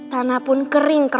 tanah pun kering keras